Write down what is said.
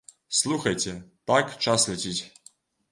Слухайце, так час ляціць!